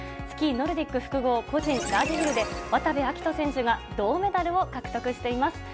スキーノルディック複合個人ラージヒルで、渡部暁斗選手が銅メダルを獲得しています。